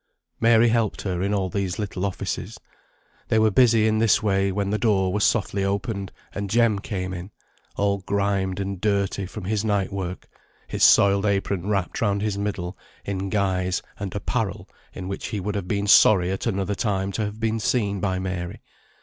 Mary helped her in all these little offices. They were busy in this way when the door was softly opened, and Jem came in, all grimed and dirty from his night work, his soiled apron wrapped round his middle, in guise and apparel in which he would have been sorry at another time to have been seen by Mary.